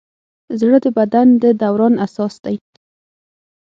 زړه د بدن د دوران اساس دی.